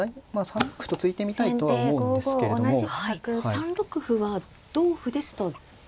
３六歩は同歩ですと。